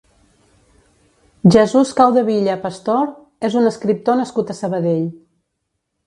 Jesús Caudevilla Pastor és un escriptor nascut a Sabadell.